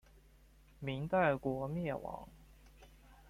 明代国灭亡。